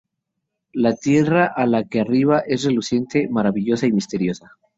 La tierra a la que arriba es reluciente, maravillosa y misteriosa.